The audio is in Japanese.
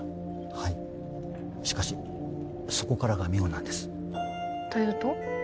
はいしかしそこからが妙なんですというと？